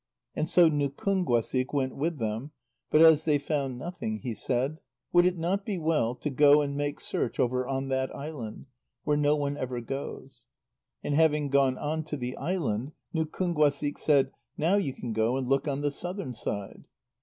And so Nukúnguasik went with them, but as they found nothing, he said: "Would it not be well to go and make search over on that island, where no one ever goes?" And having gone on to the island, Nukúnguasik said: "Now you can go and look on the southern side."